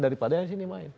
daripada yang sini main